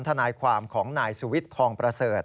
ทนายความของนายสุวิทย์ทองประเสริฐ